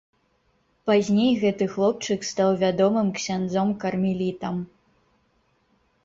Пазней гэты хлопчык стаў вядомым ксяндзом кармелітам.